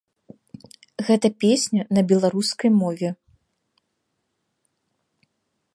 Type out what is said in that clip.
Гэта песня на беларускай мове.